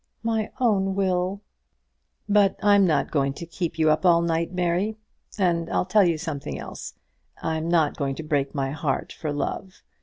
"My own Will!" "But I'm not going to keep you up all night, Mary. And I'll tell you something else; I'm not going to break my heart for love.